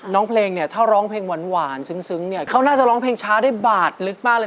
น้องเพลงเนี่ยถ้าร้องเพลงหวานซึ้งเนี่ยเขาน่าจะร้องเพลงช้าได้บาดลึกมากเลย